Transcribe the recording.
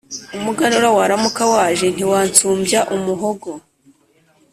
Umuganura waramuka waje ntiwansumbya umuhogo.